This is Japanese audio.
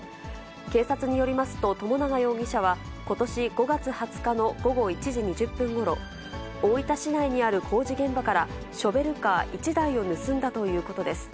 警察によりますと、友永容疑者はことし５月２０日の午後１時２０分ごろ、大分市内にある工事現場からショベルカー１台を盗んだということです。